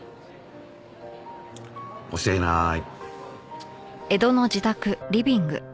教えない。